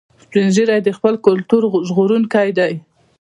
سپین ږیری د خپل کلتور ژغورونکي دي